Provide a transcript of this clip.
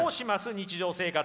日常生活。